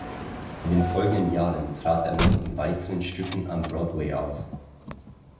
In den folgenden Jahren trat er noch in weiteren Stücken am Broadway auf.